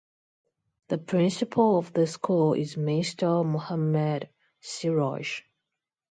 The principal of the school is Mr. Mohamed Siraj.